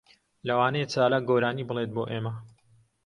لەوانەیە چالاک گۆرانی بڵێت بۆ ئێمە.